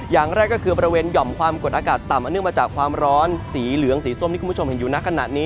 อย่างแรกก็คือบริเวณหย่อมความกดอากาศต่ำอันเนื่องมาจากความร้อนสีเหลืองสีส้มที่คุณผู้ชมเห็นอยู่ในขณะนี้